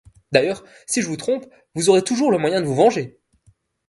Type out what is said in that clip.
D’ailleurs, si je vous trompe, vous aurez toujours le moyen de vous venger !